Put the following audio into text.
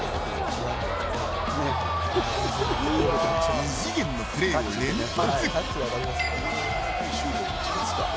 異次元のプレーを連発。